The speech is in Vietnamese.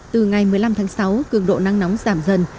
từ ngày một mươi năm tháng sáu cường độ nắng nóng giảm dần